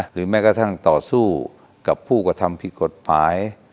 แม้กระทั่งต่อสู้กับผู้กระทำผิดกฎหมาย